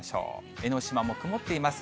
江の島も曇っています。